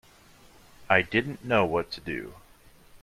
I didn't know what to do.